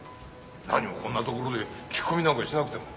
何もこんなところで聞き込みなんかしなくても。